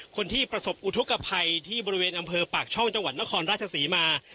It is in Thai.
คนที่ประสบอุทธกภัยที่บริเวณอำเภอปากช่องจังหวัดนครราชศรีมา